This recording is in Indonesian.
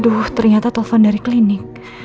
aduh ternyata telepon dari klinik